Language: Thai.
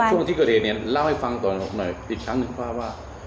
ช่วงที่เกิดเหตุเนี่ยเล่าให้ฟังต่อหน่อยอีกครั้งหนึ่งว่า